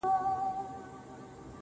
بيا به تاوان راکړې د زړگي گلي,